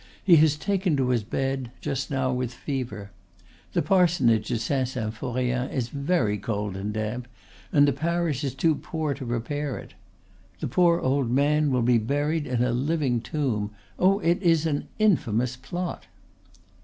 He has taken to his bed, just now, with fever. The parsonage at Saint Symphorien is very cold and damp, and the parish is too poor to repair it. The poor old man will be buried in a living tomb. Oh, it is an infamous plot!"